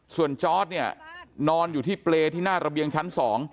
ส่วนจอร์ดเนี่ยนอนอยู่ที่เปรย์ที่หน้าระเบียงชั้น๒